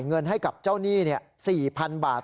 เงินให้กับเจ้านี่เนี่ยสี่พันบาท